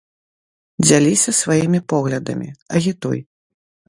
Дзяліся сваімі поглядамі, агітуй!